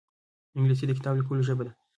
انګلیسي د کتاب لیکلو ژبه ده